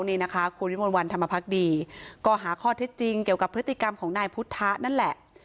นี่นะคะคุณวิมวลวันธรรมพักดีก็หาข้อเท็จจริงเกี่ยวกับพฤติกรรมของนายพุทธะนั่นแหละ